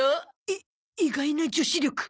い意外な女子力。